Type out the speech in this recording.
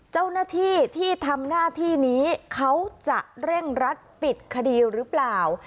เจ้าหน้าที่ที่ทำหน้าที่นี้เขาจะเร่งรัดปิดคดีหรือเปล่า